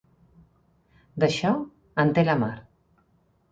D'això, en té la mar.